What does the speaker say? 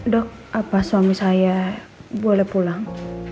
dok apa suami saya boleh pulang